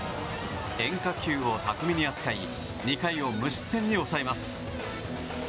変化球を巧みに扱い２回を無失点に抑えます。